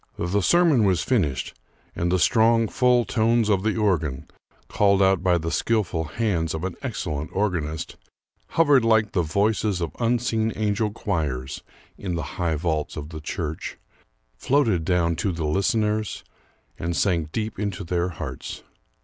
The sermon was finished, and the strong full tones of the organ, called out by the skillful hands of an excellent organist, hovered like the voices of unseen angel choirs in the high vaults of the church, floated down to the listeners, and sank deep into their hearts.